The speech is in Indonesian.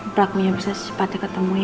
berlakunya bisa sempat ketemu ya ma